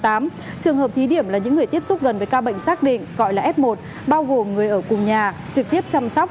trường hợp thí điểm là những người tiếp xúc gần với ca bệnh xác định gọi là f một bao gồm người ở cùng nhà trực tiếp chăm sóc